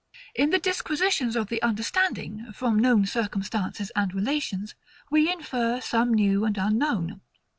In the disquisitions of the understanding, from known circumstances and relations, we infer some new and unknown.